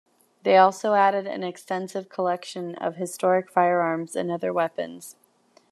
They also added an extensive collection of historic firearms and other weapons.